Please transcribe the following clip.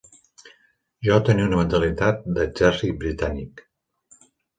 Jo tenia una mentalitat d'exèrcit britànic